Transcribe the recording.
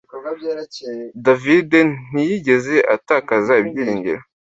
David ntiyigeze atakaza ibyiringiro